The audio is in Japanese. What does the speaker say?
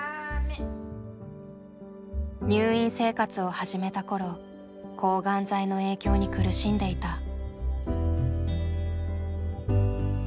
入院生活を始めた頃抗がん剤の影響に苦しんでいた。